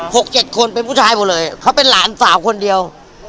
หกเจ็ดคนเป็นผู้ชายหมดเลยเขาเป็นหลานสาวคนเดียว